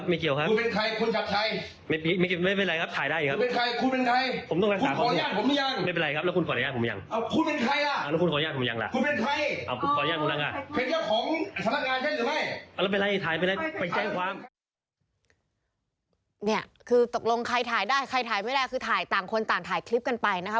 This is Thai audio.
เนี่ยคือตกลงใครถ่ายได้ใครถ่ายไม่ได้คือถ่ายต่างคนต่างถ่ายคลิปกันไปนะคะ